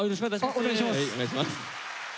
お願いします。